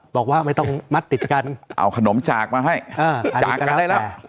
บอกว่าไม่ต้องมัดติดกันเอาขนมจากมาให้จากกันได้แล้ว